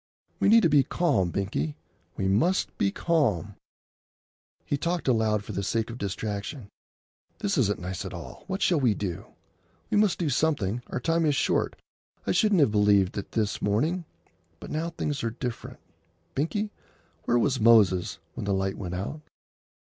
"We need to be calm, Binkie; we must be calm." He talked aloud for the sake of distraction. "This isn't nice at all. What shall we do? We must do something. Our time is short. I shouldn't have believed that this morning; but now things are different. Binkie, where was Moses when the light went out?"